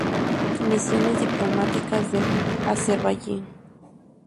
Misiones diplomáticas de Azerbaiyán